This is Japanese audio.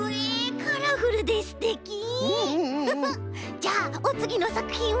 じゃあおつぎのさくひんは？